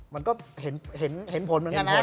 มันก็เห็นผลเหมือนกันนะ